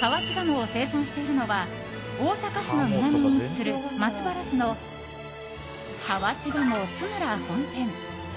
河内鴨を生産しているのは大阪市の南に位置する松原市の河内鴨ツムラ本店。